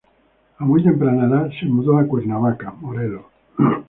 A muy temprana edad se mudó a Cuernavaca, Morelos.